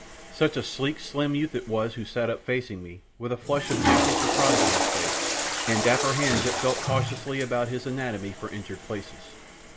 Such a sleek, slim youth it was who sat up facing me, with a flush of gentle surprise on his face, and dapper hands that felt cautiously about his anatomy for injured places.